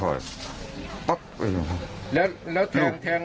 โอ้โฮครับ